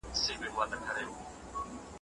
لکه سیوری داسي ورک سوم تا لا نه یم پېژندلی